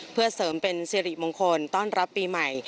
เพื่อเสริมเป็นสิริมงคลต้อนรับปีใหม่